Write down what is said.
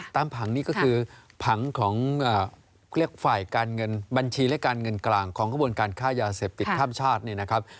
ผังนี่ก็คือผังของเรียกฝ่ายการเงินบัญชีและการเงินกลางของกระบวนการค้ายาเสพติดข้ามชาติเนี่ยนะครับ